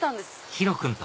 ひろ君と！